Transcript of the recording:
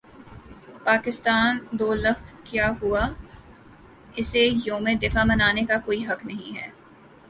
پاکستان دو لخت کیا ہو اسے یوم دفاع منانے کا کوئی حق نہیں ہے